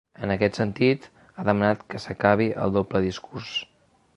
En aquest sentit, ha demanat que s’acabi el ‘doble discurs’.